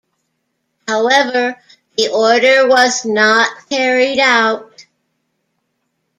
However, the order was not carried out.